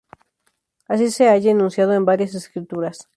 Así se halla enunciado en varias escrituras.